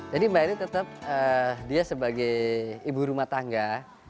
jadi mbak airly tetap dia sebagai ibu rumah tangga